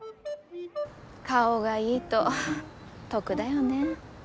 顔がいいと得だよね。